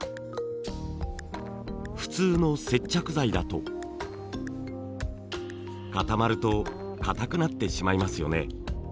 普通の接着剤だと固まると硬くなってしまいますよね。